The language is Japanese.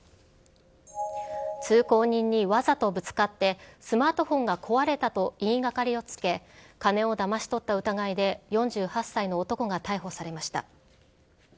通行人にわざとぶつかって、スマートフォンが壊れたと言いがかりをつけ、金をだまし取った疑いで、４８歳の男が逮捕されました。